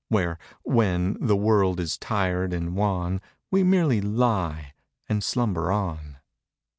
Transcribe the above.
Where, when, the world is tired and wan We merely lie and slumber on.